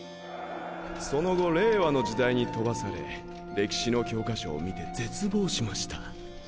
その後令和の時代に飛ばされ歴史の教科書を見て絶望しました。